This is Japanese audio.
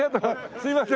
すいません